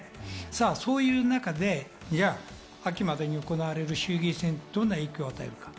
そういう中で、秋までに行われる衆院選にどんな影響を与えるか。